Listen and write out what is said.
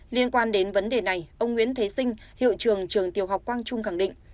liên quan đến vấn đề này ông nguyễn thế sinh hiệu trường trường tiểu học quang trung khẳng định